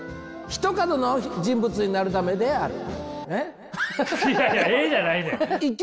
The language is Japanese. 「ひと角の人物になるためである」。